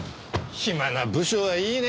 暇な部署はいいね。